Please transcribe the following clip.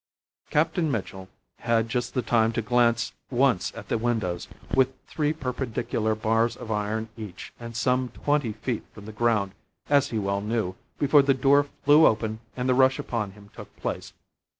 Captain Mitchell had just the time to glance once at the windows, with three perpendicular bars of iron each and some twenty feet from the ground, as he well knew, before the door flew open and the rush upon him took place.